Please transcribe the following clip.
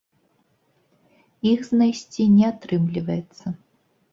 Іх знайсці не атрымліваецца.